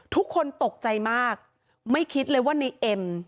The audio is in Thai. ทุกคนตกใจมากไม่คิดเลยว่าในเอ็ม